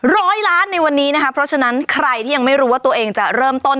ร้อยล้านในวันนี้นะคะเพราะฉะนั้นใครที่ยังไม่รู้ว่าตัวเองจะเริ่มต้น